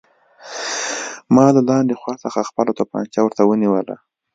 ما له لاندې خوا څخه خپله توپانچه ورته ونیوله